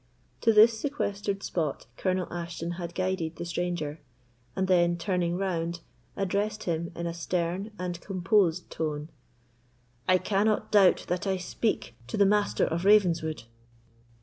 To this sequestered spot Colonel Ashton had guided the stranger, and then turning round, addressed him in a stern and composed tone.—"I cannot doubt that I speak to the Master of Ravenswood?"